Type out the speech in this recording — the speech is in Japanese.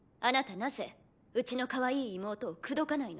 なぜうちのかわいい妹を口説かないの？